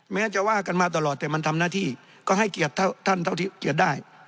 แม้จะว่ากันมาตลอดแต่มันทำหน้าที่ก็ให้เกียรติเท่าท่านเท่าที่เกียรติได้